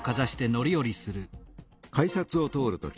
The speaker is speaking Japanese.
改札を通るとき